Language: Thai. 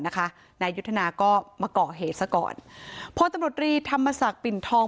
นายยุทธนาก็มาก่อเหตุซะก่อนพลตำรวจรีธรรมศักดิ์ปิ่นทอง